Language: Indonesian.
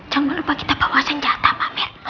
jangan lupa kita bawa senjata mbak mir